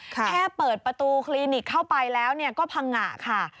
แค่เปิดประตูคลินิกเข้าไปแล้วก็พังงะค่ะ